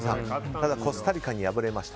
ただ、コスタリカに敗れました。